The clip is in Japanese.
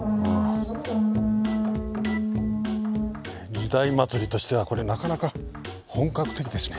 時代祭りとしてはこれなかなか本格的ですね。